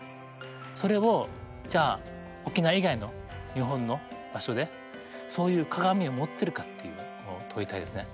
それをじゃあ沖縄以外の日本の場所でそういう鏡を持ってるかっていうのを問いたいですね。